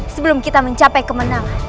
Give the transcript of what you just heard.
sebelum kita mencapai kemenangan